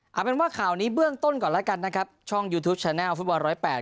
เอาเป็นว่าข่าวนี้เบื้องต้นก่อนแล้วกันนะครับช่องยูทูปแชนแลลฟุตบอลร้อยแปด